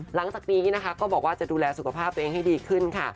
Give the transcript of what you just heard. หลังจากนี้นะคะก็บอกว่าจะดูแลสุขภาพตัวเองให้ดีขึ้นค่ะ